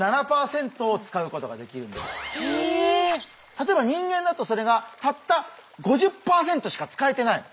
例えば人間だとそれがたった５０％しか使えてないの。